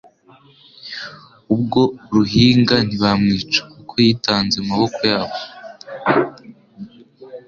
Ubwo Ruhinga ntibamwica kuko yitanze mu maboko yabo,